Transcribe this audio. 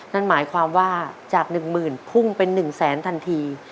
นั่นหมายความว่าจากหนึ่งหมื่นพุ่งเป็นหนึ่งแสนทันที